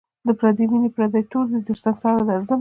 د پردۍ میني پردی تور دی تر سنگساره درځم